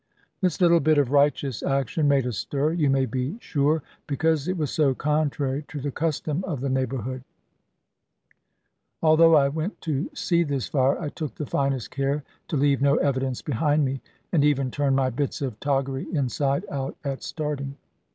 This little bit of righteous action made a stir, you may be sure, because it was so contrary to the custom of the neighbourhood. Although I went to see this fire, I took the finest care to leave no evidence behind me; and even turned my bits of toggery inside out at starting.